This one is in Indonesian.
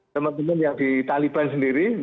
teman teman yang di taliban sendiri